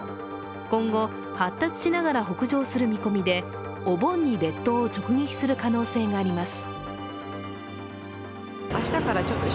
今後、発達しながら北上する見込みで、お盆に列島を直撃する可能性があります。